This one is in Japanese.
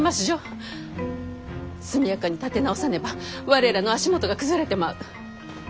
速やかに立て直さねば我らの足元が崩れてまう。